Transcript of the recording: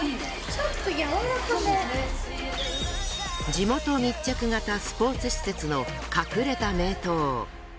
地元密着型スポーツ施設の隠れた名湯。